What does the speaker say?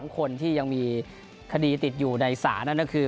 คนที่ยังมีคดีติดอยู่ในศาลนั่นก็คือ